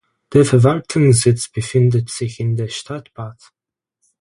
Der Verwaltungssitz befindet sich in der Stadt Barth.